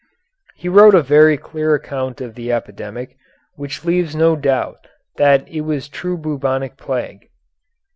He wrote a very clear account of the epidemic, which leaves no doubt that it was true bubonic plague.